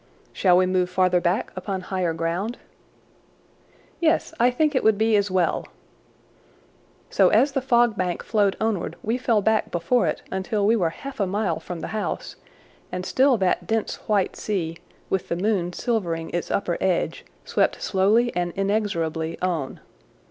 "Shall we move farther back upon higher ground?" "Yes, I think it would be as well." So as the fog bank flowed onward we fell back before it until we were half a mile from the house, and still that dense white sea, with the moon silvering its upper edge, swept slowly and inexorably on.